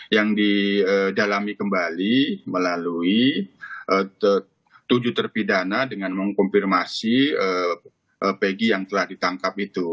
yang didalami kembali melalui tujuh terpidana dengan mengkonfirmasi pegi yang telah ditangkap itu